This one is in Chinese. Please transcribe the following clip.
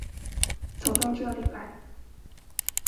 走到这里来